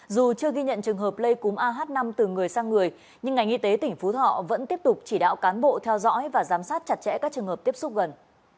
dù chưa ghi nhận trường hợp lây cúm ah năm từ người sang người nhưng ngành y tế tỉnh phú thọ vẫn tiếp tục chỉ đạo cán bộ theo dõi và giám sát chặt chẽ các trường hợp tiếp xúc gần